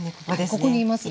ここにいますね。